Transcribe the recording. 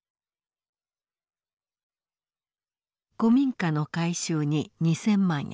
古民家の改修に２，０００万円。